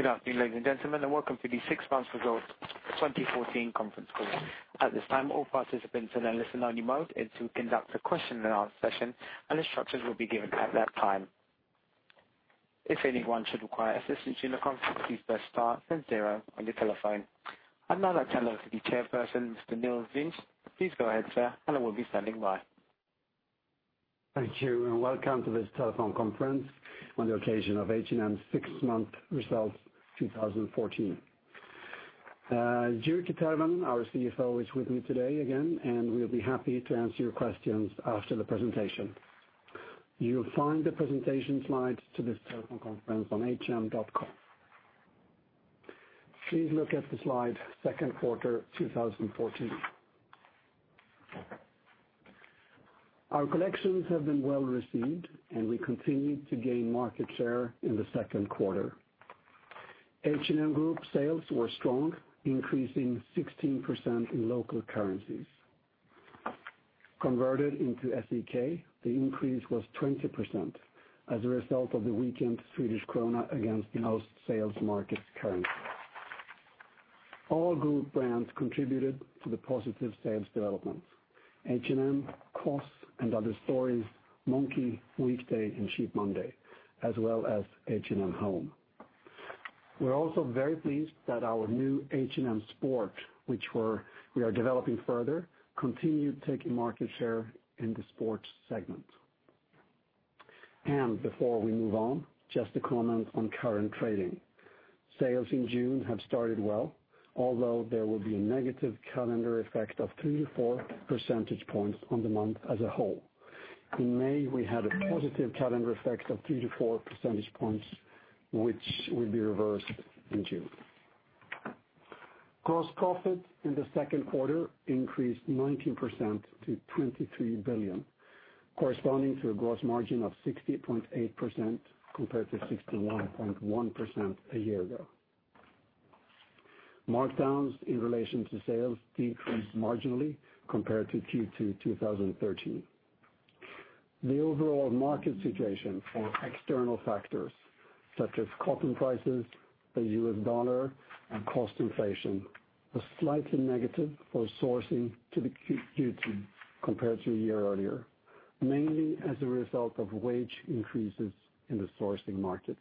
Good afternoon, ladies and gentlemen, and welcome to the six-month results 2014 conference call. At this time, all participants are in listen-only mode until conduct a question and answer session, and instructions will be given at that time. If anyone should require assistance during the conference, please press star then zero on your telephone. I'd now like to hand over to the chairperson, Mr. Nils Vinge. Please go ahead, sir, and I will be standing by. Thank you, and welcome to this telephone conference on the occasion of H&M six-month results 2014. Jyrki Tervonen, our CFO, is with me today again, and we'll be happy to answer your questions after the presentation. You will find the presentation slides to this telephone conference on hm.com. Please look at the slide, second quarter 2014. Our collections have been well-received, and we continued to gain market share in the second quarter. H&M Group sales were strong, increasing 16% in local currencies. Converted into SEK, the increase was 20% as a result of the weakened Swedish krona against the most sales markets currency. All group brands contributed to the positive sales developments. H&M, COS, & Other Stories, Monki, Weekday, and Cheap Monday, as well as H&M Home. We're also very pleased that our new H&M Sport, which we are developing further, continued taking market share in the sports segment. Before we move on, just to comment on current trading. Sales in June have started well, although there will be a negative calendar effect of 3-4 percentage points on the month as a whole. In May, we had a positive calendar effect of 3-4 percentage points, which will be reversed in June. Gross profit in the second quarter increased 19% to 23 billion, corresponding to a gross margin of 60.8% compared to 61.1% a year ago. Markdowns in relation to sales decreased marginally compared to Q2 2013. The overall market situation for external factors such as cotton prices, the US dollar, and cost inflation was slightly negative for sourcing to the Q2 compared to a year earlier, mainly as a result of wage increases in the sourcing markets.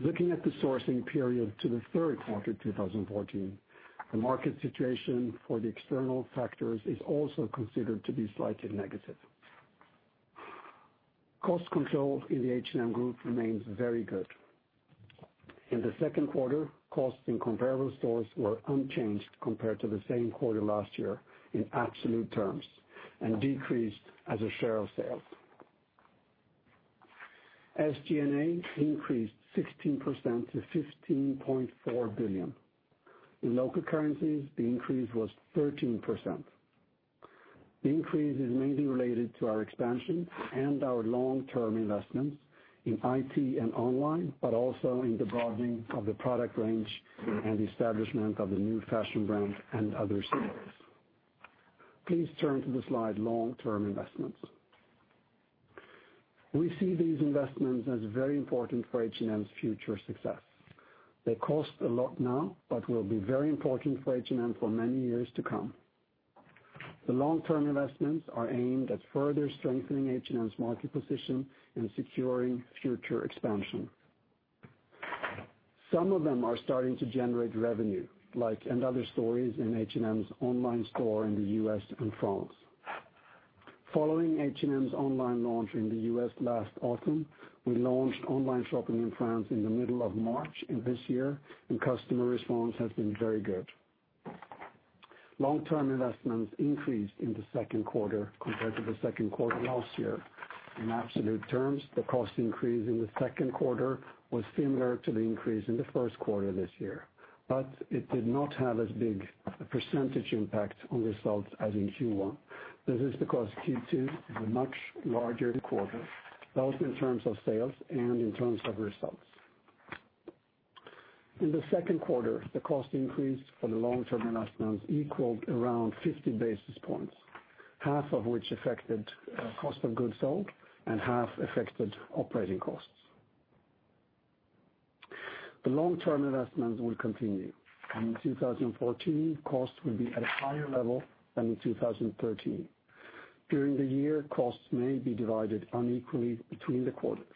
Looking at the sourcing period to the third quarter 2014, the market situation for the external factors is also considered to be slightly negative. Cost control in the H&M Group remains very good. In the second quarter, costs in comparable stores were unchanged compared to the same quarter last year in absolute terms and decreased as a share of sales. SG&A increased 16% to 15.4 billion. In local currencies, the increase was 13%. The increase is mainly related to our expansion and our long-term investments in IT and online, but also in the broadening of the product range and establishment of the new fashion brands and other sales. Please turn to the slide, long-term investments. We see these investments as very important for H&M's future success. They cost a lot now but will be very important for H&M for many years to come. The long-term investments are aimed at further strengthening H&M's market position and securing future expansion. Some of them are starting to generate revenue, like & Other Stories in H&M's online store in the U.S. and France. Following H&M's online launch in the U.S. last autumn, we launched online shopping in France in the middle of March this year, and customer response has been very good. Long-term investments increased in the second quarter compared to the second quarter last year. In absolute terms, the cost increase in the second quarter was similar to the increase in the first quarter this year, but it did not have as big a percentage impact on results as in Q1. This is because Q2 is a much larger quarter, both in terms of sales and in terms of results. In the second quarter, the cost increase for the long-term investments equaled around 50 basis points, half of which affected cost of goods sold and half affected operating costs. The long-term investments will continue. In 2014, costs will be at a higher level than in 2013. During the year, costs may be divided unequally between the quarters.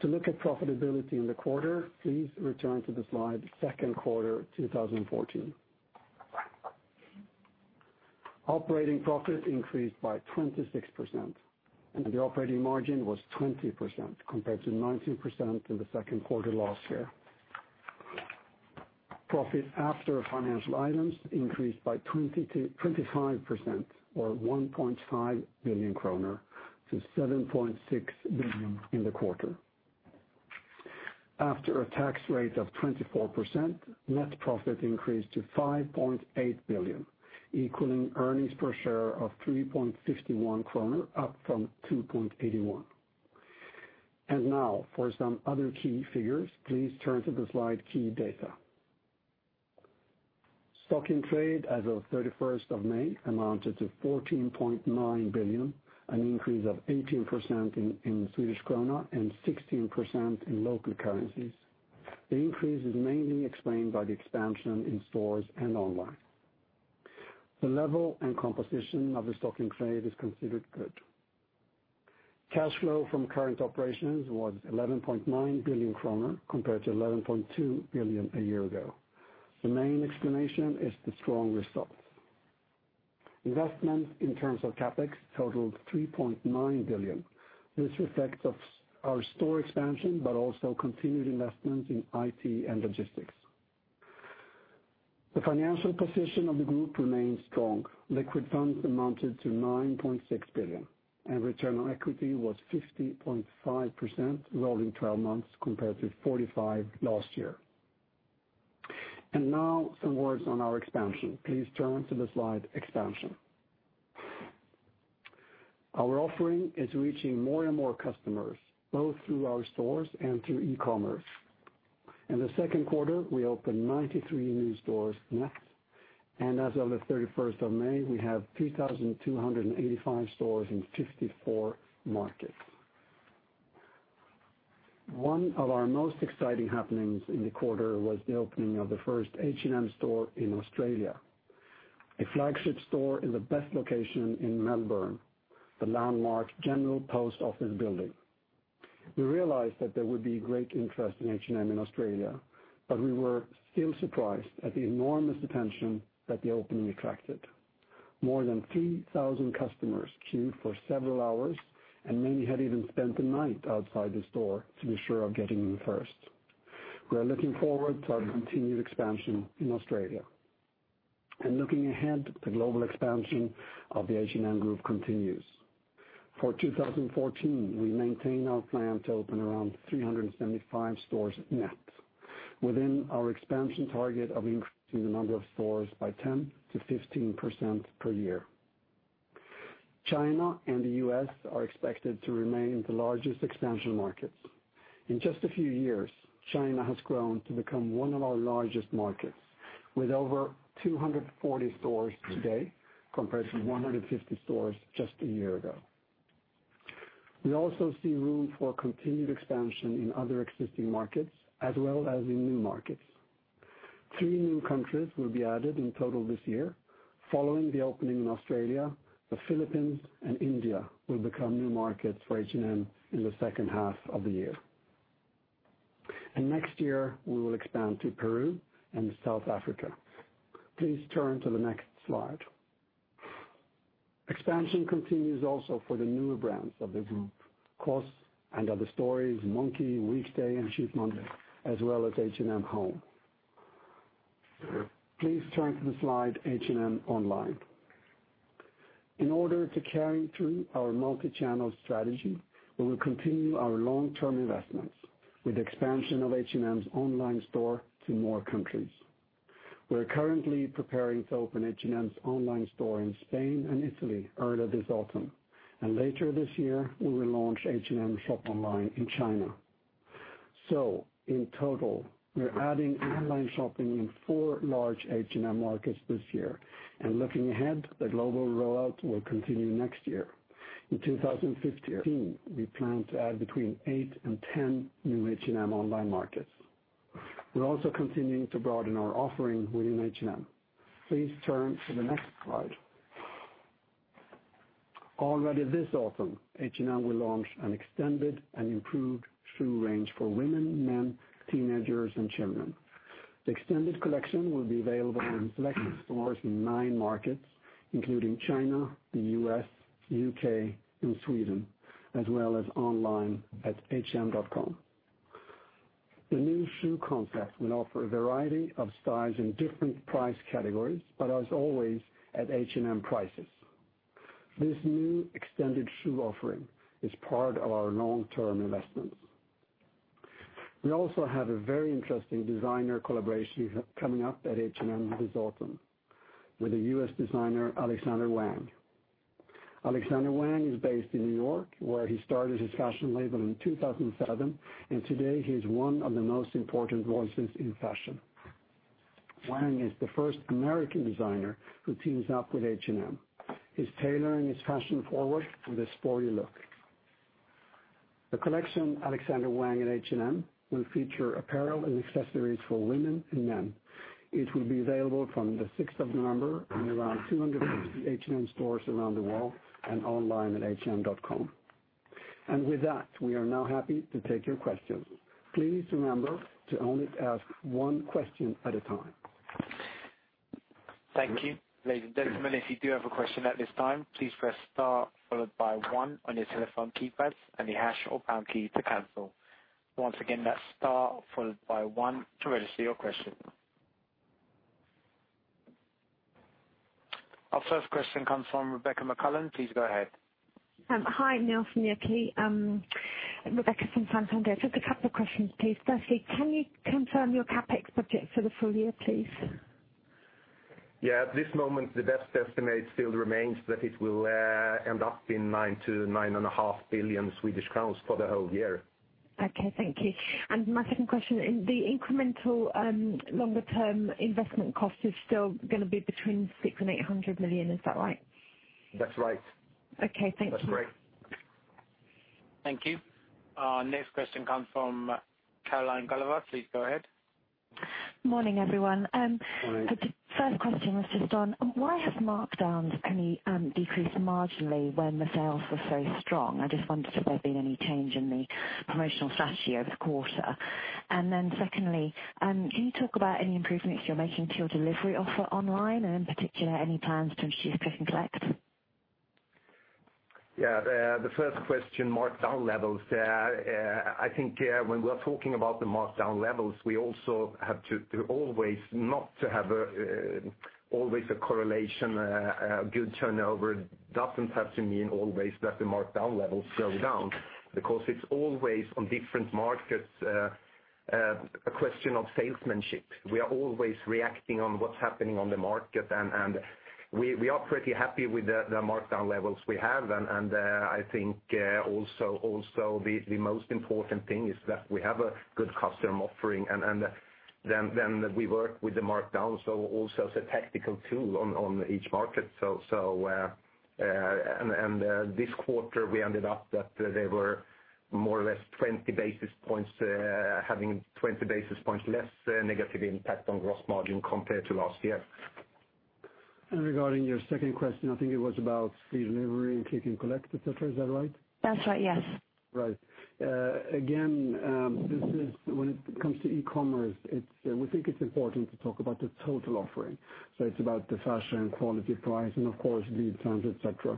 To look at profitability in the quarter, please return to the slide, second quarter 2014. Operating profit increased by 26%, and the operating margin was 20% compared to 19% in the second quarter last year. Profit after financial items increased by 25%, or 1.5 billion kronor, to 7.6 billion in the quarter. After a tax rate of 24%, net profit increased to 5.8 billion, equaling earnings per share of 3.51 kronor, up from 2.81. Now, for some other key figures, please turn to the slide, key data. Stock in trade as of 31st of May amounted to 14.9 billion, an increase of 18% in SEK and 16% in local currencies. The increase is mainly explained by the expansion in stores and online. The level and composition of the stock in trade is considered good. Cash flow from current operations was 11.9 billion kronor compared to 11.2 billion a year ago. The main explanation is the strong results. Investment in terms of CapEx totaled 3.9 billion. This reflects our store expansion, but also continued investments in IT and logistics. The financial position of the group remains strong. Liquid funds amounted to 9.6 billion, and return on equity was 50.5% rolling 12 months compared to 45% last year. Now some words on our expansion. Please turn to the slide, expansion. Our offering is reaching more and more customers, both through our stores and through e-commerce. In the second quarter, we opened 93 new stores net, and as of the 31st of May, we have 3,285 stores in 54 markets. One of our most exciting happenings in the quarter was the opening of the first H&M store in Australia, a flagship store in the best location in Melbourne, the landmark General Post Office building. We realized that there would be great interest in H&M in Australia, but we were still surprised at the enormous attention that the opening attracted. More than 3,000 customers queued for several hours, and many had even spent the night outside the store to be sure of getting in first. We are looking forward to our continued expansion in Australia. Looking ahead, the global expansion of the H&M Group continues. For 2014, we maintain our plan to open around 375 stores net within our expansion target of increasing the number of stores by 10%-15% per year. China and the U.S. are expected to remain the largest expansion markets. In just a few years, China has grown to become one of our largest markets, with over 240 stores today compared to 150 stores just a year ago. We also see room for continued expansion in other existing markets as well as in new markets. Three new countries will be added in total this year. Following the opening in Australia, the Philippines and India will become new markets for H&M in the second half of the year. Next year we will expand to Peru and South Africa. Please turn to the next slide. Expansion continues also for the newer brands of the group, COS and & Other Stories, Monki, Weekday, and Cheap Monday, as well as H&M Home. Please turn to the slide H&M online. In order to carry through our multi-channel strategy, we will continue our long-term investments with expansion of H&M's online store to more countries. We are currently preparing to open H&M's online store in Spain and Italy earlier this autumn, later this year, we will launch H&M shop online in China. In total, we are adding online shopping in four large H&M markets this year. Looking ahead, the global rollout will continue next year. In 2015, we plan to add between eight and 10 new H&M online markets. We are also continuing to broaden our offering within H&M. Please turn to the next slide. Already this autumn, H&M will launch an extended and improved shoe range for women, men, teenagers, and children. The extended collection will be available in select stores in nine markets, including China, the U.S., U.K., and Sweden, as well as online at hm.com. The new shoe concept will offer a variety of styles in different price categories, but as always, at H&M prices. This new extended shoe offering is part of our long-term investments. We also have a very interesting designer collaboration coming up at H&M this autumn with the U.S. designer Alexander Wang. Alexander Wang is based in New York, where he started his fashion label in 2007, today he is one of the most important voices in fashion. Wang is the first American designer who teams up with H&M. His tailoring is fashion-forward with a sporty look. The collection, Alexander Wang and H&M, will feature apparel and accessories for women and men. It will be available from the 6th of November in around 250 H&M stores around the world and online at hm.com. With that, we are now happy to take your questions. Please remember to only ask one question at a time. Thank you. Ladies and gentlemen, if you do have a question at this time, please press star followed by 1 on your telephone keypads and the hash or pound key to cancel. Once again, that's star followed by 1 to register your question. Our first question comes from Rebecca McClellan. Please go ahead. Hi, Nils. Rebecca from Santander. Just a couple of questions, please. Firstly, can you confirm your CapEx budget for the full year, please? Yeah. At this moment, the best estimate still remains that it will end up in 9 billion-9.5 billion Swedish crowns for the whole year. Okay, thank you. My second question, the incremental longer-term investment cost is still going to be between 600 million and 800 million, is that right? That's right. Okay, thank you. That's right. Thank you. Our next question comes from Caroline Gulliver. Please go ahead. Morning, everyone. Morning. The first question was just on, why have markdowns only decreased marginally when the sales were so strong? I just wondered if there had been any change in the promotional strategy over the quarter. Secondly, can you talk about any improvements you're making to your delivery offer online, and in particular, any plans to introduce click and collect? The first question, markdown levels. I think when we are talking about the markdown levels, we also have to always not to have always a correlation. A good turnover doesn't have to mean always that the markdown levels go down, because it's always on different markets, a question of salesmanship. We are always reacting on what's happening on the market, we are pretty happy with the markdown levels we have. I think also, the most important thing is that we have a good customer offering, then we work with the markdown also as a tactical tool on each market. This quarter we ended up that they were more or less having 20 basis points less negative impact on gross margin compared to last year. Regarding your second question, I think it was about free delivery and click and collect, et cetera. Is that right? That's right, yes. Right. Again, when it comes to e-commerce, we think it's important to talk about the total offering. It's about the fashion, quality, price, and of course, lead times, et cetera.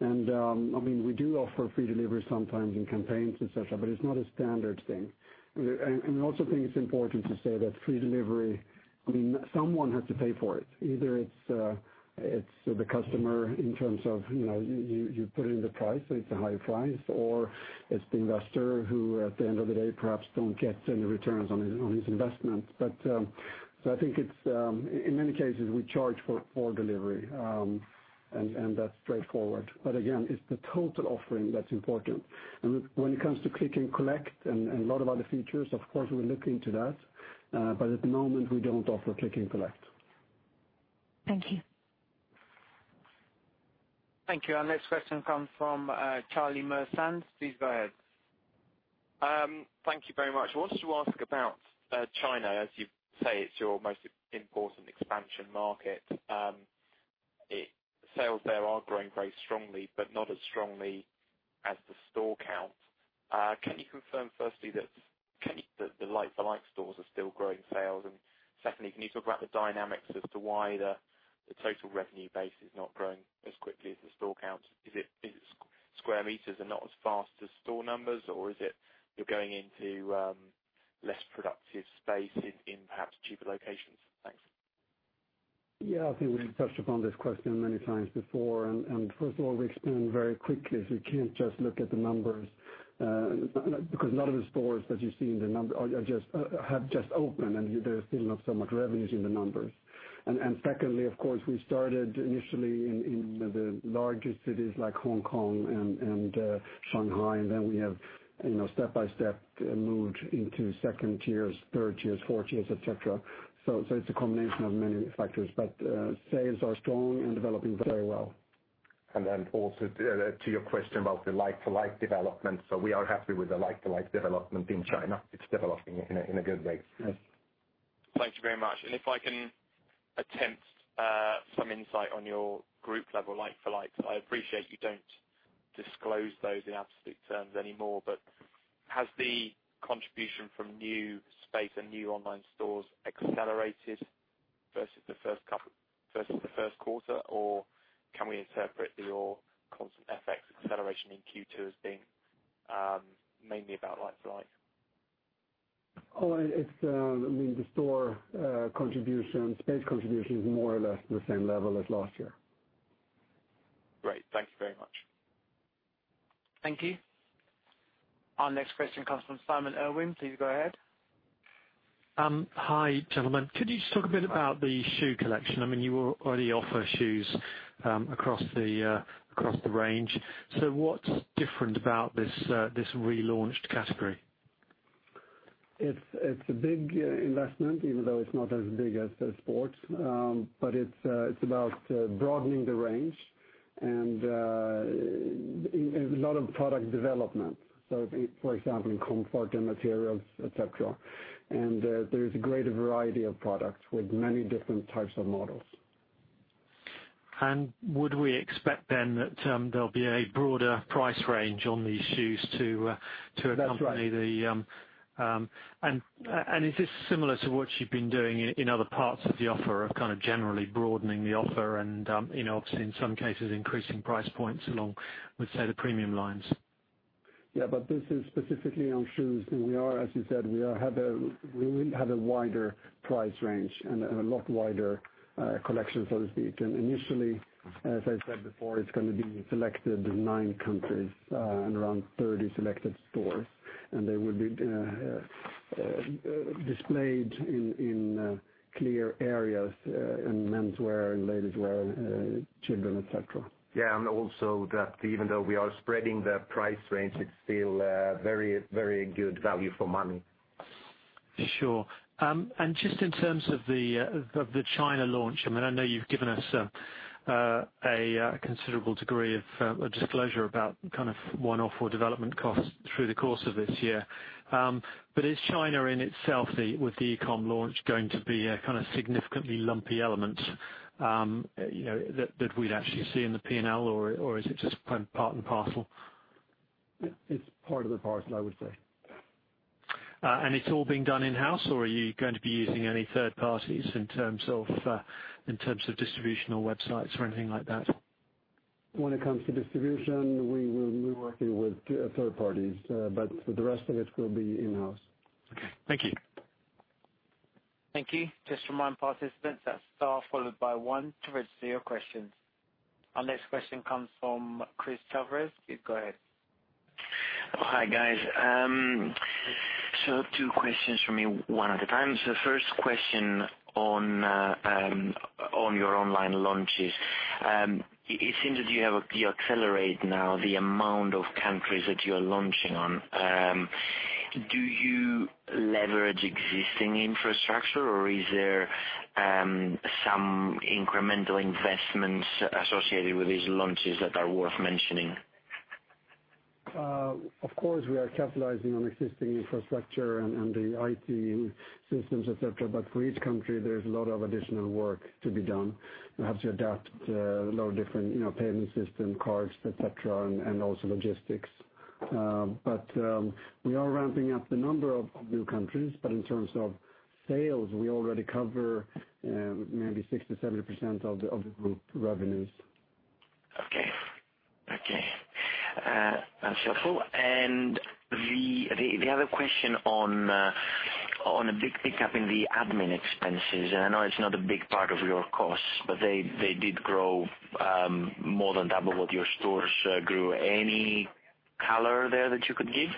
We do offer free delivery sometimes in campaigns et cetera, but it's not a standard thing. We also think it's important to say that free delivery, someone has to pay for it. Either it's the customer in terms of, you put it in the price, so it's a high price, or it's the investor who at the end of the day perhaps don't get any returns on his investment. I think it's, in many cases, we charge for delivery, and that's straightforward. Again, it's the total offering that's important. When it comes to click and collect and a lot of other features, of course, we're looking to that. At the moment, we don't offer click and collect. Thank you. Thank you. Our next question comes from Charlie Marchant. Please go ahead. Thank you very much. I wanted to ask about China, as you say it's your most important expansion market. Sales there are growing very strongly but not as strongly as the store count. Can you confirm firstly that the like-for-like stores are still growing sales? Secondly, can you talk about the dynamics as to why the total revenue base is not growing as quickly as the store count? Is it square meters are not as fast as store numbers, or is it you're going into less productive space in perhaps cheaper locations? Thanks. Yeah, I think we've touched upon this question many times before. First of all, we expand very quickly, so you can't just look at the numbers, because a lot of the stores that you see in the numbers have just opened and there's still not so much revenues in the numbers. Secondly, of course, we started initially in the largest cities like Hong Kong and Shanghai, then we have step-by-step moved into 2nd tiers, 3rd tiers, 4th tiers, et cetera. It's a combination of many factors. Sales are strong and developing very well. Also to your question about the like-for-like development. We are happy with the like-for-like development in China. It's developing in a good way. Thank you very much. If I can attempt some insight on your group level like-for-likes, I appreciate you don't disclose those in absolute terms anymore, but has the contribution from new space and new online stores accelerated versus the first quarter, or can we interpret your constant FX acceleration in Q2 as being mainly about like-for-like? The store contribution, space contribution is more or less the same level as last year. Great. Thank you very much. Thank you. Our next question comes from Simon Irwin. Please go ahead. Hi, gentlemen. Could you just talk a bit about the shoe collection? You already offer shoes across the range. What's different about this relaunched category? It's a big investment, even though it's not as big as H&M Sport. It's about broadening the range and a lot of product development. For example, in comfort and materials, et cetera. There is a greater variety of products with many different types of models. Would we expect then that there'll be a broader price range on these shoes? That's right. Is this similar to what you've been doing in other parts of the offer, of kind of generally broadening the offer and, obviously, in some cases, increasing price points along with, say, the premium lines? This is specifically on shoes, as you said, we will have a wider price range and a lot wider collection, so to speak. Initially, as I said before, it's going to be selected in nine countries, around 30 selected stores. They will be displayed in clear areas in menswear and ladieswear, children, et cetera. Also that even though we are spreading the price range, it's still very good value for money. Sure. Just in terms of the China launch, I know you've given us a considerable degree of disclosure about kind of one-off or development costs through the course of this year. Is China in itself, with the e-com launch, going to be a kind of significantly lumpy element that we'd actually see in the P&L? Or is it just part and parcel? It's part of the parcel, I would say. It's all being done in-house, or are you going to be using any third parties in terms of distributional websites or anything like that? When it comes to distribution, we will be working with third parties, but the rest of it will be in-house. Okay. Thank you. Thank you. Just remind participants, that is star followed by one to register your questions. Our next question comes from Chris Chaveras. Please go ahead. Hi, guys. Two questions from me, one at a time. First question on your online launches. It seems that you accelerate now the amount of countries that you are launching on. Do you leverage existing infrastructure, or is there some incremental investments associated with these launches that are worth mentioning? Of course, we are capitalizing on existing infrastructure and the IT systems, et cetera. For each country, there is a lot of additional work to be done. You have to adapt a lot of different payment system, cards, et cetera, and also logistics. We are ramping up the number of new countries, but in terms of sales, we already cover maybe 60%, 70% of the group revenues. Okay. That is helpful. The other question on a big pickup in the admin expenses, and I know it is not a big part of your costs, but they did grow more than double what your stores grew. Any color there that you could give?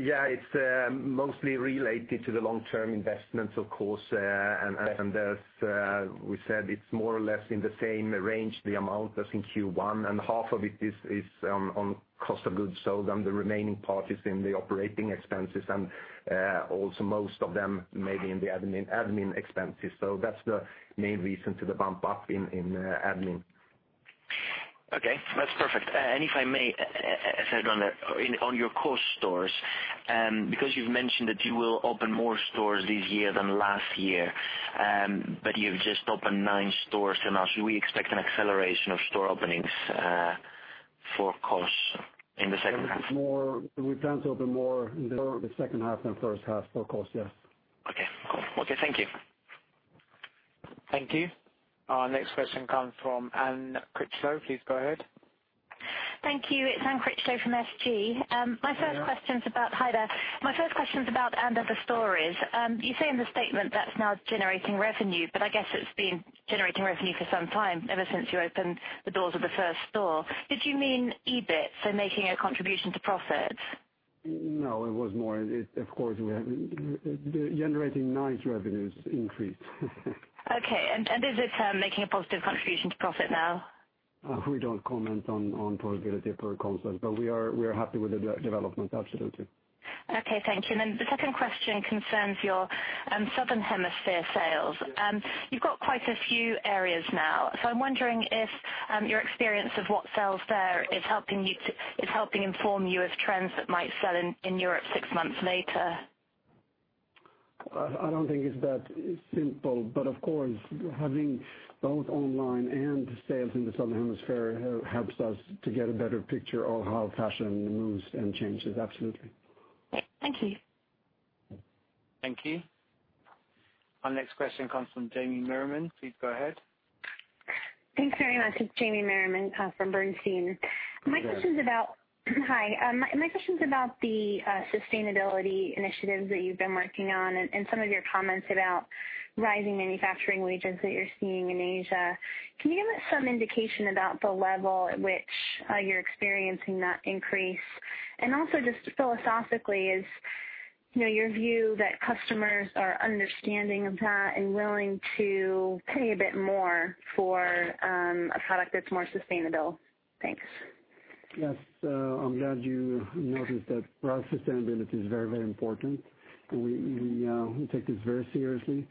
Yeah, it's mostly related to the long-term investments, of course. As we said, it's more or less in the same range, the amount as in Q1. Half of it is on cost of goods sold. The remaining part is in the operating expenses. Also most of them maybe in the admin expenses. That's the main reason to the bump up in admin. Okay, that's perfect. If I may add on your core stores, because you've mentioned that you will open more stores this year than last year, You've just opened nine stores. Now should we expect an acceleration of store openings for COS in the second half? We plan to open more in the second half than first half for COS, yes. Okay. Thank you. Thank you. Our next question comes from Anne Critchlow. Please go ahead. Thank you. It's Anne Critchlow from SG. Hi there. My first question is about & Other Stories. You say in the statement that's now generating revenue, I guess it's been generating revenue for some time, ever since you opened the doors of the first store. Did you mean EBIT, so making a contribution to profits? No, it was more, of course, the generating nice revenues increased. Okay. Is it making a positive contribution to profit now? We don't comment on profitability per concept, but we are happy with the development, absolutely. Okay, thank you. The second question concerns your Southern Hemisphere sales. You've got quite a few areas now, so I'm wondering if your experience of what sells there is helping inform you of trends that might sell in Europe six months later. I don't think it's that simple. Of course, having both online and sales in the Southern Hemisphere helps us to get a better picture of how fashion moves and changes. Absolutely. Thank you. Thank you. Our next question comes from Jamie Merriman. Please go ahead. Thanks very much. It's Jamie Merriman from Bernstein. Hello. Hi. My question is about the sustainability initiatives that you've been working on and some of your comments about rising manufacturing wages that you're seeing in Asia. Can you give us some indication about the level at which you're experiencing that increase? Also just philosophically is your view that customers are understanding of that and willing to pay a bit more for a product that's more sustainable? Thanks. Yes. I'm glad you noticed that. For us, sustainability is very, very important, and we take this very seriously.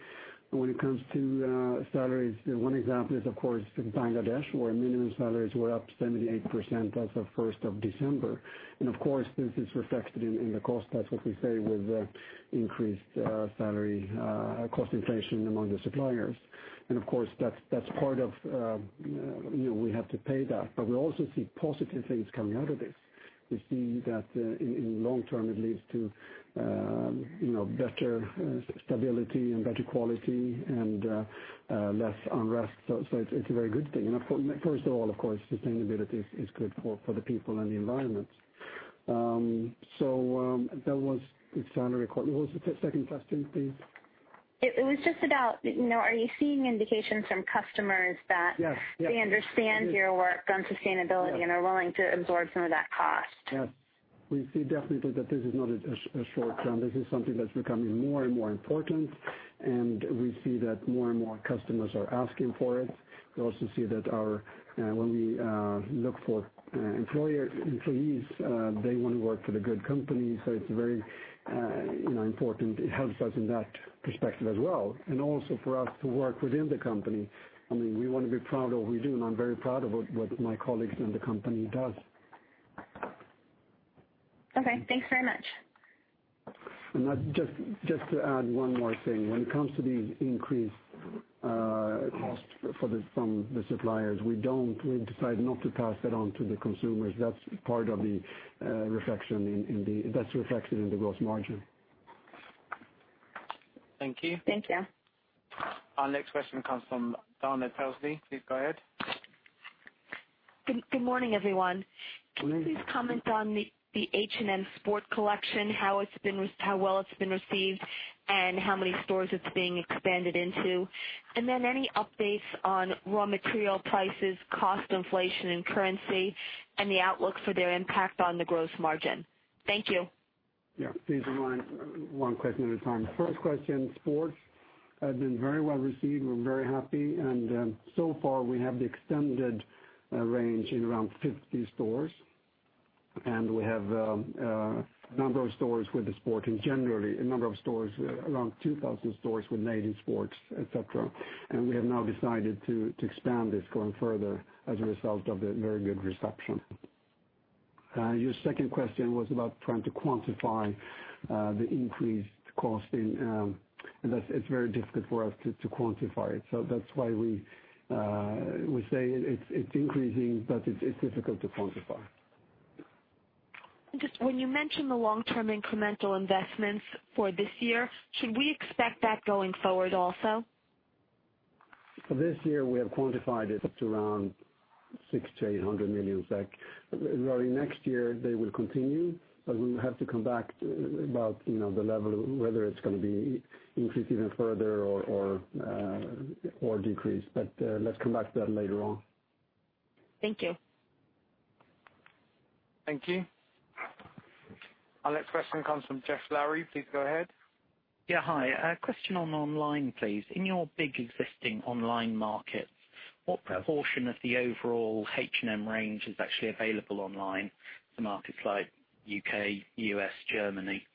When it comes to salaries, one example is, of course, in Bangladesh, where minimum salaries were up 78% as of 1st of December. Of course, this is reflected in the cost. That's what we say with increased salary cost inflation among the suppliers. Of course, that's part of we have to pay that, but we also see positive things coming out of this. We see that in long-term, it leads to better stability and better quality and less unrest. It's a very good thing. First of all, of course, sustainability is good for the people and the environment. That was the salary record. What was the second question, please? It was just about, are you seeing indications from customers that? Yes They understand your work on sustainability and are willing to absorb some of that cost? Yes. We see definitely that this is not a short-term. This is something that's becoming more and more important, and we see that more and more customers are asking for it. We also see that when we look for employees, they want to work for a good company. It's very important. It helps us in that perspective as well, and also for us to work within the company. We want to be proud of what we do, and I'm very proud of what my colleagues and the company does. Okay, thanks very much. Just to add one more thing. When it comes to the increased cost from the suppliers, we decide not to pass that on to the consumers. That's reflected in the gross margin. Thank you. Thank you. Our next question comes from Dana Telsey. Please go ahead. Good morning, everyone. Good morning. Can you please comment on the H&M Sport collection, how well it's been received, and how many stores it's being expanded into? Any updates on raw material prices, cost inflation and currency, and the outlook for their impact on the gross margin? Thank you. Yeah, please remind one question at a time. First question, Sport has been very well received. We are very happy, and so far we have the extended range in around 50 stores, and we have a number of stores with the Sport, and generally a number of stores, around 2,000 stores with mainline sports, et cetera. We have now decided to expand this going further as a result of the very good reception. Your second question was about trying to quantify the increased cost, it is very difficult for us to quantify it. That is why we say it is increasing, but it is difficult to quantify. Just when you mention the long-term incremental investments for this year, should we expect that going forward also? This year we have quantified it to around 600 million-800 million SEK. During next year, they will continue, but we will have to come back about the level, whether it's going to be increased even further or decreased. Let's come back to that later on. Thank you. Thank you. Our next question comes from Geoff Lowery. Please go ahead. Yeah. Hi. A question on online, please. In your big existing online markets, what proportion of the overall H&M range is actually available online to markets like U.K., U.S., Germany,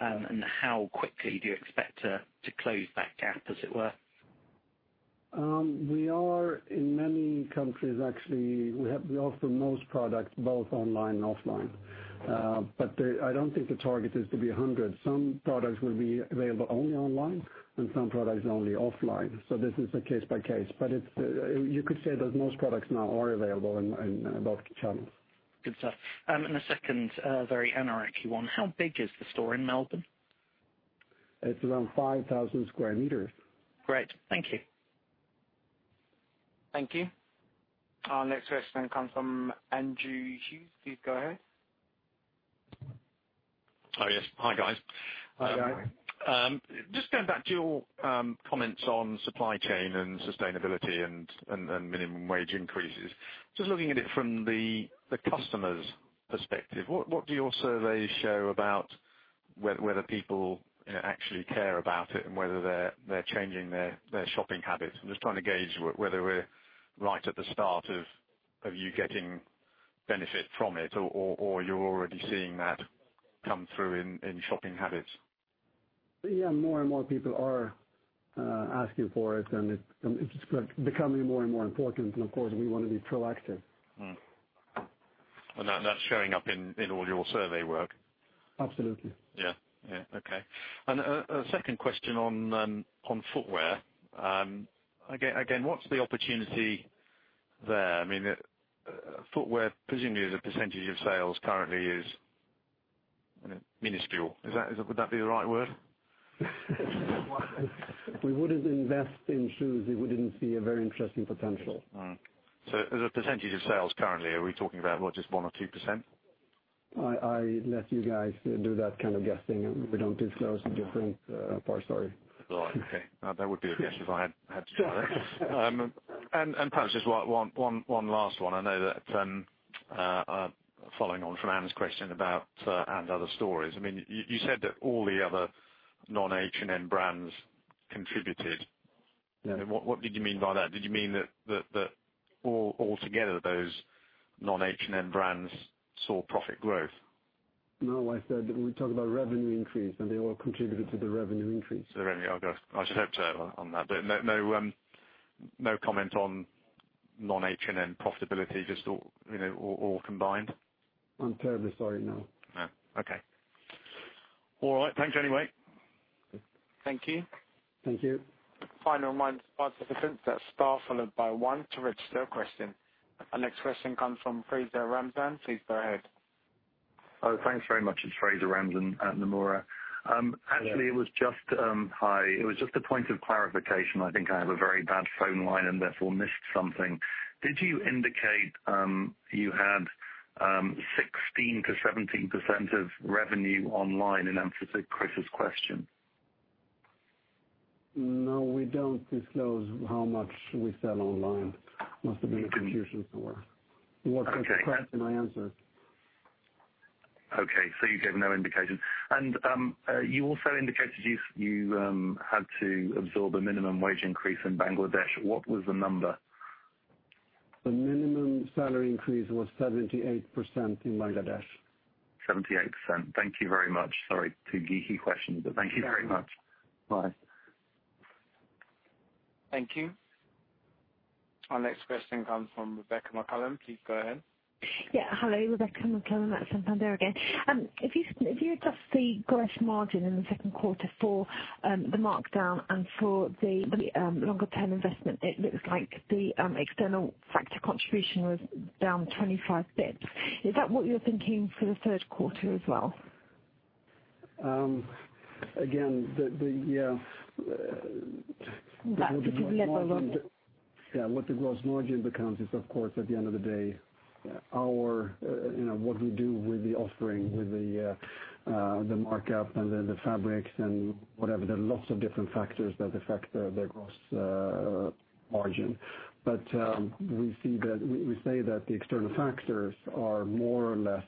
and how quickly do you expect to close that gap, as it were? In many countries, actually, we offer most products both online and offline. I don't think the target is to be 100. Some products will be available only online and some products only offline. This is a case by case. You could say that most products now are available in both channels. Good stuff. A second very anarchic one, how big is the store in Melbourne? It is around 5,000 sq m. Great. Thank you. Thank you. Our next question comes from Andrew Hughes. Please go ahead. Yes. Hi, guys. Hi. Hi. Just going back to your comments on supply chain and sustainability and minimum wage increases. Just looking at it from the customer's perspective, what do your surveys show about whether people actually care about it and whether they're changing their shopping habits? I'm just trying to gauge whether we're right at the start of you getting benefit from it, or you're already seeing that come through in shopping habits. Yeah, more and more people are asking for it's becoming more and more important. Of course, we want to be proactive. That's showing up in all your survey work? Absolutely. Yeah. Okay. A second question on footwear. Again, what's the opportunity there? Footwear, presumably as a % of sales currently is minuscule. Would that be the right word? We wouldn't invest in shoes if we didn't see a very interesting potential. as a percentage of sales currently, are we talking about what, just one or 2%? I let you guys do that kind of guessing. We don't disclose the different parts, sorry. Right. Okay. That would be a guess if I had to. Yeah Perhaps just one last one. I know that, following on from Anne's question about & Other Stories, you said that all the other non-H&M brands contributed. Yeah. What did you mean by that? Did you mean that all together, those non-H&M brands saw profit growth? No, I said we talk about revenue increase. They all contributed to the revenue increase. The revenue increase. I should hope so on that bit. No comment on non-H&M profitability, just all combined? I'm terribly sorry. No. Okay. All right. Thanks anyway. Thank you. Thank you. Final reminder to participants, press star followed by one to register a question. Our next question comes from Fraser Ramzan. Please go ahead. Oh, thanks very much. It is Fraser Ramzan at Nomura. Yes. Hi. It was just a point of clarification. I think I have a very bad phone line and therefore missed something. Did you indicate, you had, 16%-17% of revenue online in answer to Chris's question? No, we don't disclose how much we sell online. Must have been a confusion somewhere. Okay. What question I answered. You gave no indication. You also indicated you had to absorb a minimum wage increase in Bangladesh. What was the number? The minimum salary increase was 78% in Bangladesh. 78%. Thank you very much. Sorry, two geeky questions, thank you very much. Bye. Thank you. Our next question comes from Rebecca McClellan. Please go ahead. Yeah. Hello, Rebecca McClellan at Santander again. If you adjust the gross margin in the second quarter for the markdown and for the longer-term investment, it looks like the external factor contribution was down 25 basis points. Is that what you're thinking for the third quarter as well? Again. That particular level. Yeah. What the gross margin becomes is, of course, at the end of the day, what we do with the offering, with the mark-up, and then the fabrics and whatever. There are lots of different factors that affect the gross margin. We say that the external factors are more or less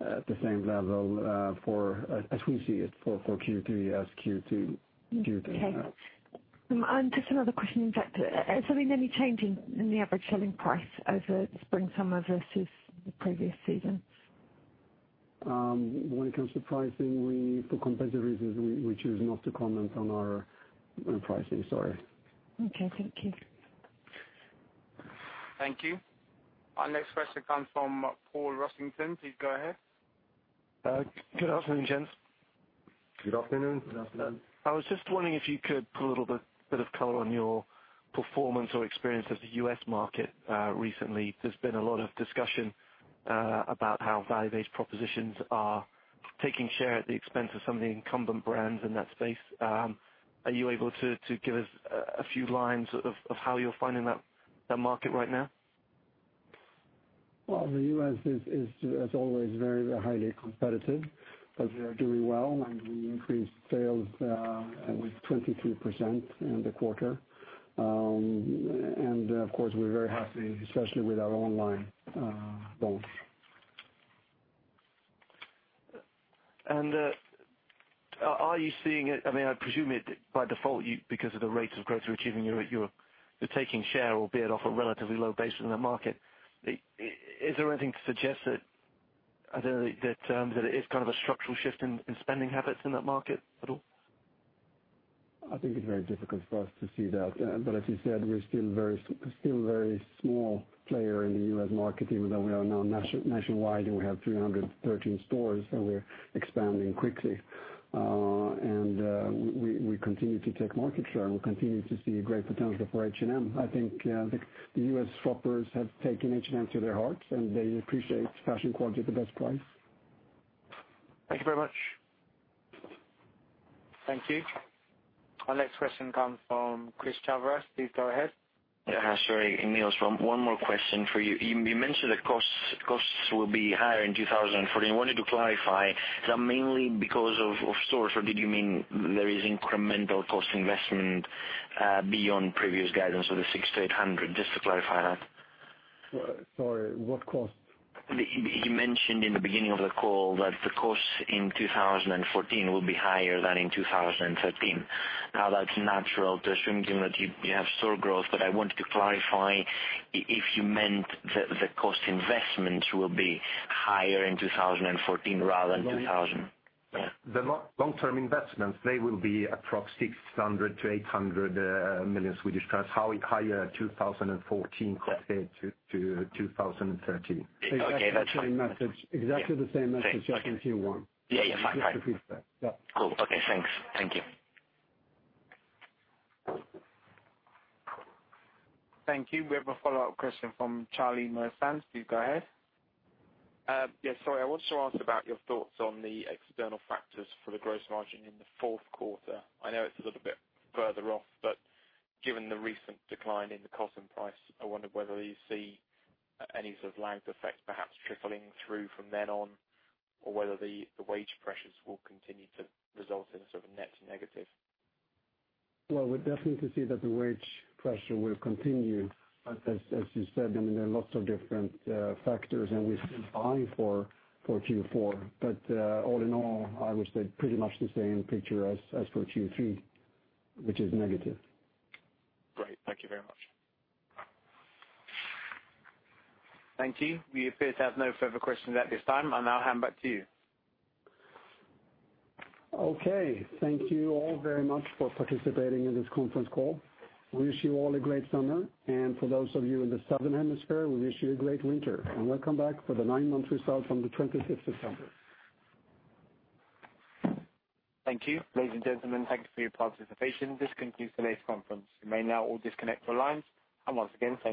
at the same level, as we see it, for Q3 as Q2. Okay. Just another question. In fact, has there been any change in the average selling price over spring/summer versus the previous seasons? When it comes to pricing, for competitive reasons, we choose not to comment on our pricing. Sorry. Okay. Thank you. Thank you. Our next question comes from Paul Rossington. Please go ahead. Good afternoon, gents. Good afternoon. Good afternoon. I was just wondering if you could put a little bit of color on your performance or experience of the U.S. market recently. There's been a lot of discussion about how value-based propositions are taking share at the expense of some of the incumbent brands in that space. Are you able to give us a few lines of how you're finding that market right now? Well, the U.S. is, as always, very highly competitive, but we are doing well, and we increased sales with 22% in the quarter. Of course, we're very happy, especially with our online launch. Are you seeing it I presume by default, because of the rates of growth you're achieving, you're taking share, albeit off a relatively low base within that market. Is there anything to suggest that it is kind of a structural shift in spending habits in that market at all? I think it's very difficult for us to see that. As you said, we're still a very small player in the U.S. market, even though we are now nationwide and we have 313 stores, and we're expanding quickly. We continue to take market share, and we continue to see great potential for H&M. I think the U.S. shoppers have taken H&M to their hearts, and they appreciate fashion quality at the best price. Thank you very much. Thank you. Our next question comes from Chris Chaveras. Please go ahead. Yeah. Sorry, Nils, one more question for you. You mentioned that costs will be higher in 2014. I wanted to clarify, is that mainly because of stores, or did you mean there is incremental cost investment beyond previous guidance of the 600-800? Just to clarify that. Sorry, what costs? You mentioned in the beginning of the call that the costs in 2014 will be higher than in 2013. That's natural to assume given that you have store growth, but I wanted to clarify if you meant the cost investment will be higher in 2014 rather than. The long-term investments, they will be approx SEK 600 million-SEK 800 million, higher 2014 compared to 2013. Okay. That's fine. Exactly the same message as in Q1. Yeah. Fine. Just to be clear. Yeah. Cool. Okay, thanks. Thank you. Thank you. We have a follow-up question from Charlie Marchant. Please go ahead. Yeah, sorry. I wanted to ask about your thoughts on the external factors for the gross margin in the fourth quarter. I know it's a little bit further off, but given the recent decline in the cost and price, I wondered whether you see any sort of lagged effect perhaps trickling through from then on, or whether the wage pressures will continue to result in a sort of net negative. Well, we definitely see that the wage pressure will continue. As you said, there are lots of different factors, and we're still buying for Q4. All in all, I would say pretty much the same picture as for Q3, which is negative. Great. Thank you very much. Thank you. We appear to have no further questions at this time. I now hand back to you. Okay. Thank you all very much for participating in this conference call. We wish you all a great summer. For those of you in the southern hemisphere, we wish you a great winter. Welcome back for the nine-month results on the twenty-sixth of September. Thank you. Ladies and gentlemen, thank you for your participation. This concludes today's conference. You may now all disconnect your lines. Once again, thank you.